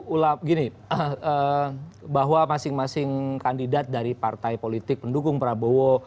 ulap gini bahwa masing masing kandidat dari partai politik pendukung prabowo